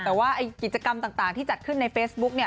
แต่ว่ากิจกรรมต่างที่จัดขึ้นในเฟซบุ๊กเนี่ย